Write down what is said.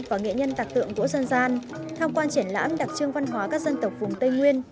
và nghệ nhân tạc tượng của dân gian tham quan triển lãm đặc trưng văn hóa các dân tộc vùng tây nguyên